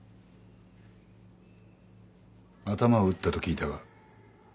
頭を打ったと聞いたが。